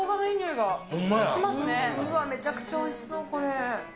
うわっ、めちゃくちゃおいしそう、これ。